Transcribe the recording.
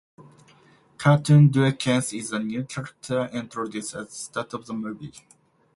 Carlton Duquesne is a new character introduced at the start of the movie.